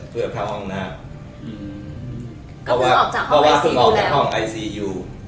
เพื่อเข้าห้องน้ำก็เพิ่งออกจากห้องไอซีอยู่แล้ว